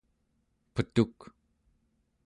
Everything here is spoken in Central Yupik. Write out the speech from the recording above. petuk